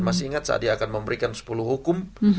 masih ingat saat dia akan memberikan sepuluh hukum